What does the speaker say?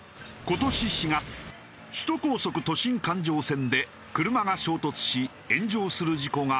今年４月首都高速都心環状線で車が衝突し炎上する事故が発生。